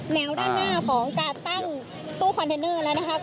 แนวด้านหน้าของการตั้งตู้คอนเทนเนอร์แล้วนะคะ